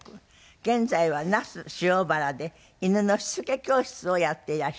現在は那須塩原で犬のしつけ教室をやっていらっしゃいます。